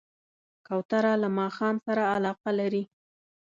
کوتره له ماښام سره علاقه لري.